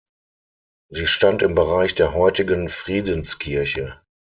Sie stand im Bereich der heutigen Friedenskirche.